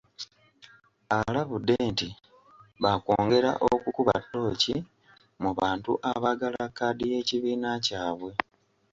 Alabudde nti baakwongera okukuba ttooci mu bantu abaagala kkaadi y'ekibiina kyabwe.